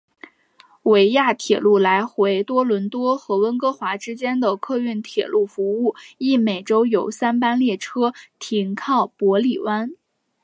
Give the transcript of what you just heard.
维亚铁路来回多伦多和温哥华之间的客运铁路服务亦每周有三班列车停靠帕里湾。